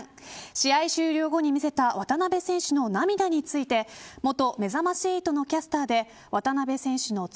試合終了後に見せた渡邊選手の涙について元めざまし８のキャスターで渡邊選手の妻